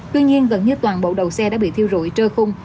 tuy nhiên gần như toàn bộ đầu xe đã bị thiêu rụi trơ khung